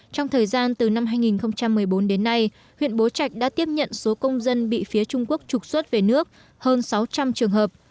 trong thời gian từ năm hai nghìn một mươi bốn đến nay huyện bố trạch đã tiếp nhận số công dân bị phía trung quốc trục xuất về nước hơn sáu trăm linh trường hợp